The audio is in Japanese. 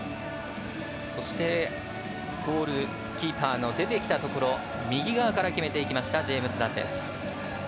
そして、ゴールキーパーの出てきたところ右側から決めていきましたジェームズ・ダン。